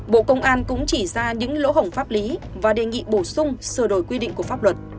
bộ công an cũng chỉ ra những lỗ hổng pháp lý và đề nghị bổ sung sửa đổi quy định của pháp luật